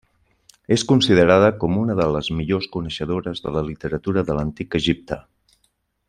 És considerada com una de les millors coneixedores de la literatura de l'Antic Egipte.